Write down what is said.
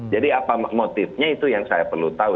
jadi apa motivnya itu yang saya perlu tahu